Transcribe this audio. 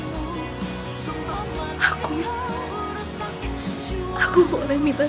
mataku tersangat menitukanmu